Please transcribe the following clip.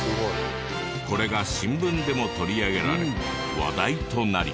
これが新聞でも取り上げられ話題となり。